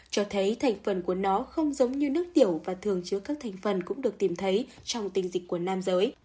cho thấy thành phần của nó không giống như nước tiểu và thường chứa các thành phần cũng được tìm thấy trong tình dịch của nam giới